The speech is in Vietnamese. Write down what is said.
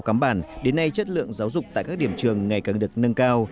cơm bản đến nay chất lượng giáo dục tại các điểm trường ngày càng được nâng cao